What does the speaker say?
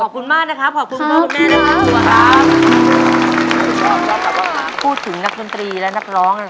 ขอบคุณมากขอบคุณพ่อและคุณแม่